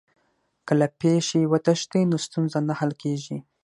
که له پېښي وتښتې نو ستونزه نه حل کېږي.